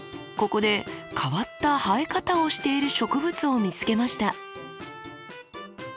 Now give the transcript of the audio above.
ここで変わった生え方をしている植物を見つけました。